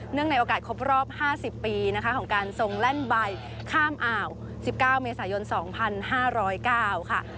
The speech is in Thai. ในโอกาสครบรอบ๕๐ปีนะคะของการทรงแล่นใบข้ามอ่าว๑๙เมษายน๒๕๐๙ค่ะ